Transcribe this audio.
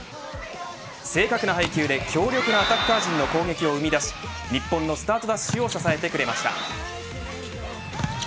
正確な配給で強力なアタッカー陣の攻撃を生み出し日本のスタートダッシュを支えてくれました。